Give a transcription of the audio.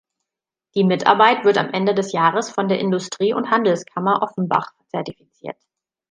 Die Mitarbeit wird am Ende des Jahres von der Industrie- und Handelskammer Offenbach zertifiziert.